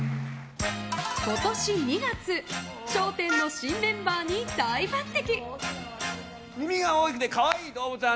今年２月、「笑点」の新メンバーに大抜擢。